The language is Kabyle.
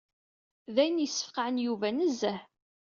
D ayen yessefqɛen Yuba nezzeh.